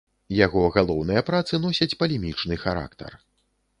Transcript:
Яго галоўныя працы носяць палемічны характар.